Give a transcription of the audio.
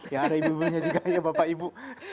ya ada ibu ibunya juga ya bapak ibu